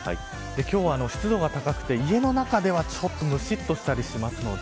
今日は湿度が高くて家の中ではむしっとしたりするので。